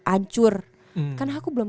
ancur kan aku belum